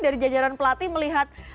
di jajaran pelatih melihat